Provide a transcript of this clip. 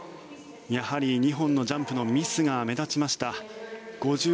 やはり２本のジャンプのミスが目立ちました。